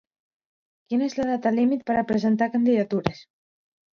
Quina és la data límit per a presentar candidatures?